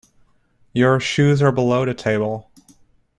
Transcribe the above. Your shoes are below the table.